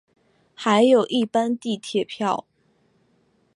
还有一般地铁票